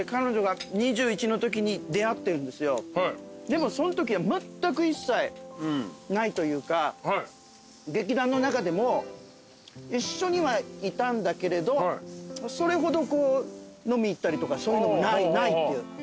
でもそんときはまったく一切ないというか劇団の中でも一緒にはいたんだけれどそれほどこう飲み行ったりそういうのもないっていう。